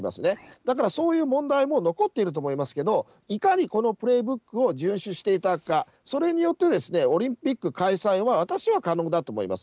だからそういう問題も残っていると思いますけど、いかにこのプレーブックを順守していただくか、それによってオリンピック開催は私は可能だと思います。